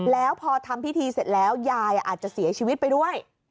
แล้วพอทำพิธีเสร็จแล้วยายอาจจะเสียชีวิตไปด้วย